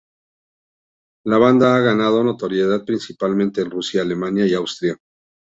La banda ha ganado notoriedad principalmente en Rusia, Alemania y Austria.